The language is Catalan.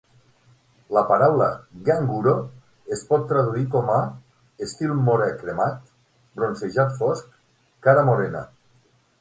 La paraula "ganguro" es pot traduir com a "estil morè-cremat", "bronzejat fosc", "cara morena".